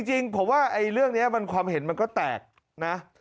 จริงผมว่าเรื่องนี้ความเห็นมันก็แตกนะ